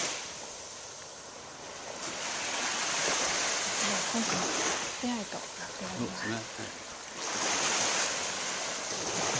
お二人は今回が初手合となっております。